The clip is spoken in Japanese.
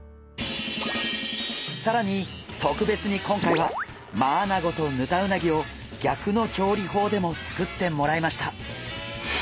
さらにとくべつに今回はマアナゴとヌタウナギをぎゃくの調理法でも作ってもらいました。